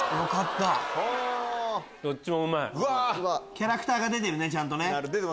キャラクターが出てるねちゃんと。